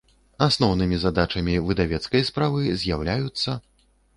Асноўнымi задачамi выдавецкай справы з’яўляюцца.